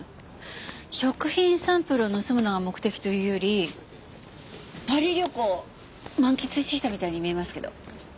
食品サンプルを盗むのが目的というよりパリ旅行を満喫してきたみたいに見えますけど。